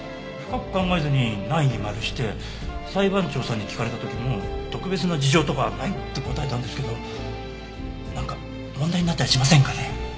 深く考えずに「ない」にマルして裁判長さんに聞かれた時も特別な事情とかはないって答えたんですけどなんか問題になったりしませんかね？